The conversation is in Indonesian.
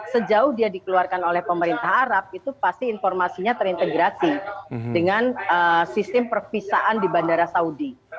sejauh dia dikeluarkan oleh pemerintah arab itu pasti informasinya terintegrasi dengan sistem perpisaan di bandara saudi